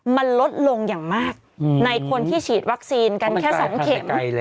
มันลดลงอย่างมากในคนที่ฉีดวัคซีนกันแค่๒เข็ม